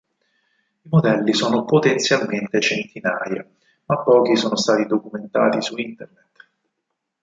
I modelli sono potenzialmente centinaia, ma pochi sono stati documentati su Internet.